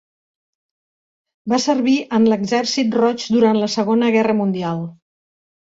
Va servir en l'Exèrcit Roig durant la Segona Guerra Mundial.